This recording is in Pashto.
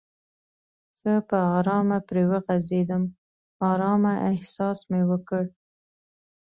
ښه په آرامه پرې وغځېدم، آرامه احساس مې وکړ.